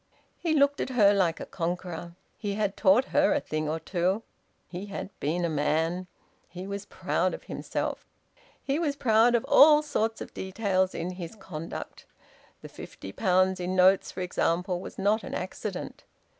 He looked at her like a conqueror. He had taught her a thing or two. He had been a man. He was proud of himself. He was proud of all sorts of details in his conduct. The fifty pounds in notes, for example, was not an accident.